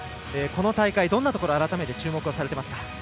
この大会どんなところを改めて注目されてますか。